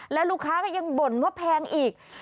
แล้วลูกค้าก็ยังบ่นว่าแพงอีก